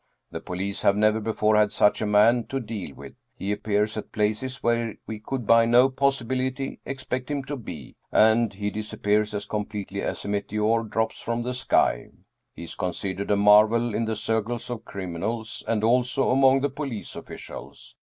The police have never before had such a man to deal with. He appears at places where we could by no possibility ex pect him to be, and he disappears as completely as a meteor drops from the sky. He is considered a marvel in the cir cles of criminals, and also among the police officials.